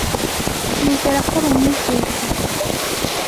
Nizera ko ari umwizerwa.